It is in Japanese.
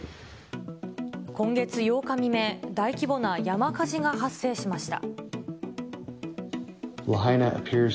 今月８日未明、大規模な山火事が発生しました。